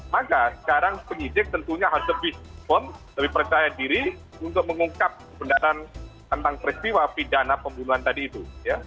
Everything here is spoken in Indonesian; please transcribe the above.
maka sekarang penyidik tentunya harus lebih firm lebih percaya diri untuk mengungkap kebenaran tentang peristiwa pidana pembunuhan tadi itu